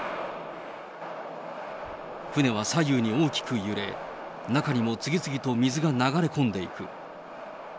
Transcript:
船は左右に大きく揺れ、中にも次々と水が流れ込んでいく。